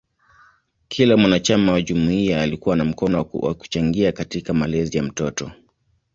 Kila mwanachama wa jumuiya alikuwa na mkono kwa kuchangia katika malezi ya mtoto.